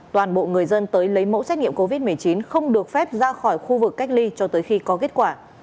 toàn bộ người dân tới lấy mẫu xét nghiệm covid một mươi chín không được phép ra khỏi khu vực cách ly cho tới khi có kết quả